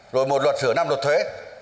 rồi một luật sửa năm luật thuế